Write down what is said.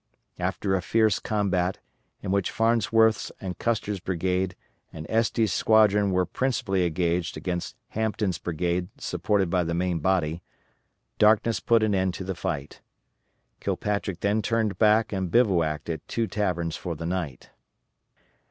After a fierce combat, in which Farnsworth's and Custer's brigades and Estes' squadron were principally engaged against Hampton's brigade supported by the main body, darkness put an end to the fight. Kilpatrick then turned back and bivouacked at Two Taverns for the night.